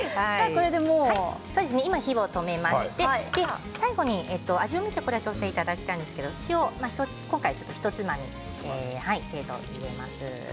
火を止めて最後、味を見て調整していただきたいんですが塩ひとつまみ程度、入れます。